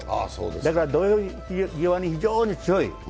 だから土俵際に非常に強い。